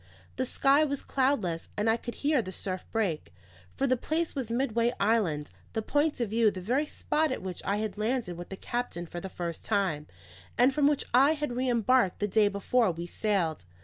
The sky was cloudless, and I could hear the surf break. For the place was Midway Island; the point of view the very spot at which I had landed with the captain for the first time, and from which I had re embarked the day before we sailed.